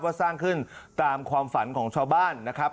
สร้างขึ้นตามความฝันของชาวบ้านนะครับ